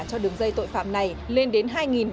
cho đường dây tội phạm này lên đến